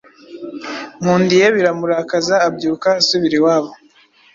Nkundiye biramurakaza abyuka asubira iwabo